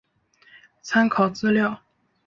参考资料